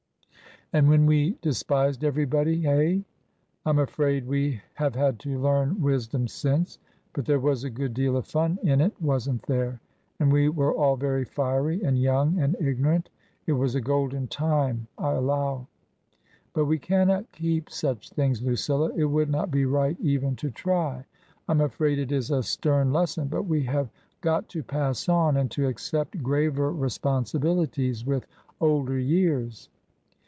" And when we despised everybody — hey ? Tm afraid we have had to learn wisdom since. But there was a good deal of fun in it, wasn't there ? And we were all very fiery and young and ignorant. It was a golden time, I allow. But we cannot keep such things, Lucilla. It would not be right even to try. Fm afraid it is a stem lesson, but we have got to pass on^ and to accept graver responsibilities with older years."